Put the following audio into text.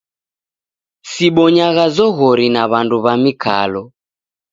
Sibonyagha zoghori na w'andu w'a mikalo.